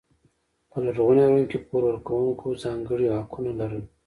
په لرغوني روم کې پور ورکوونکو ځانګړي حقونه لرل.